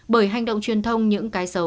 bởi hành động truyền thông những cái xấu